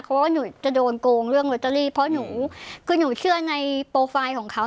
เพราะว่าหนูจะโดนโกงเรื่องลอตเตอรี่เพราะหนูคือหนูเชื่อในโปรไฟล์ของเขา